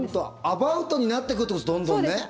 アバウトになってくるってことね、どんどんね？